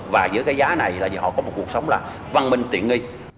và giữa cái giá này là họ có một cuộc sống là văn minh tiện nghi